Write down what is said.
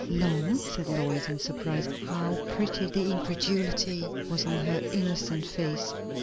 "Long?" said Lois, in surprise. How pretty the incredulity was on her innocent face.